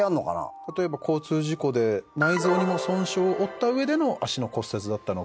例えば交通事故で内臓にも損傷を負った上での足の骨折だったのか。